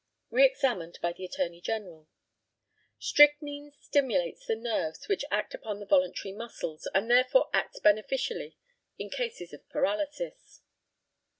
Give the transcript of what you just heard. Re examined by the ATTORNEY GENERAL: Strychnine stimulates the nerves which act upon the voluntary muscles, and therefore acts beneficially in cases of paralysis.